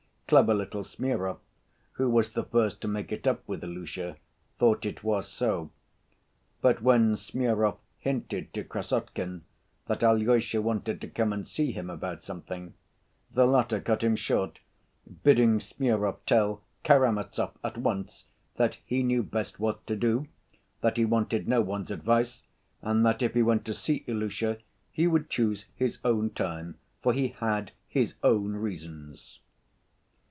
Clever little Smurov, who was the first to make it up with Ilusha, thought it was so. But when Smurov hinted to Krassotkin that Alyosha wanted to come and see him about something, the latter cut him short, bidding Smurov tell "Karamazov" at once that he knew best what to do, that he wanted no one's advice, and that, if he went to see Ilusha, he would choose his own time for he had "his own reasons."